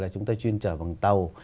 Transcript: chúng ta chuyên trở bằng tàu